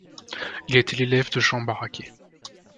Il a été l’élève de Jean Barraqué.